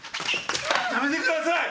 やめてください！